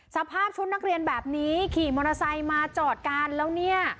สภาพชุดนักเรียนแบบนี้ขี่มอเตอร์ไซค์มาจอดกันแล้วเนี่ย